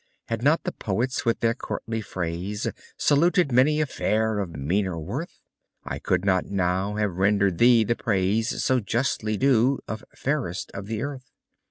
Had not the poets, with their courtly phrase, Saluted many a fair of meaner worth, I could not now have render'd thee the praise So justly due, of "Fairest of the Earth."